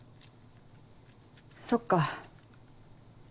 そっか。